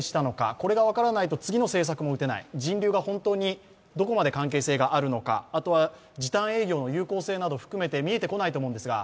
これが分からないと次の政策も打てない、人流が本当にどこまで関係があるのかあとは時短営業の有効性など含めて見えてこないと思うんですが、